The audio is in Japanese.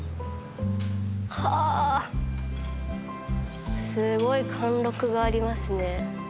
はあすごい貫禄がありますね。